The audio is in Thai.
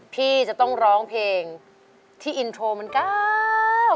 พี่จะต้องร้องเพลงที่อินโทรมันก้าว